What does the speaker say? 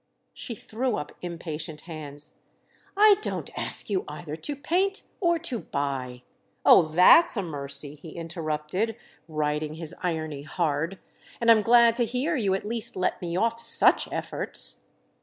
She threw up impatient hands. "I don't ask you either to paint or to buy——!" "Oh, that's a mercy!" he interrupted, riding his irony hard; "and I'm glad to hear you at least let me off such efforts!